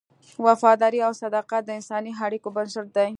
وفاداري او صداقت د انساني اړیکو بنسټ دی.